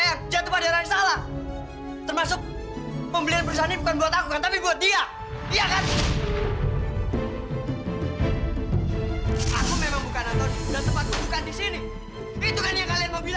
itu kan yang kalian mau bilang